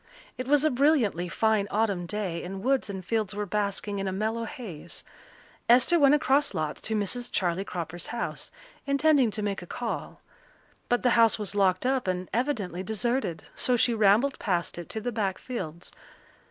It was a brilliantly fine autumn day, and woods and fields were basking in a mellow haze. Esther went across lots to Mrs. Charley Cropper's house, intending to make a call. But the house was locked up and evidently deserted, so she rambled past it to the back fields.